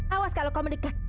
awas kalau kau mendekat